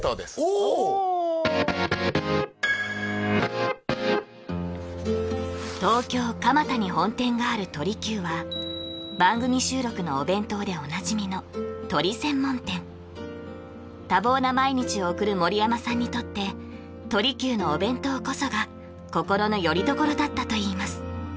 おおっ！に本店がある鳥久は番組収録のお弁当でおなじみの鳥専門店多忙な毎日を送る盛山さんにとって鳥久のお弁当こそが心のよりどころだったといいます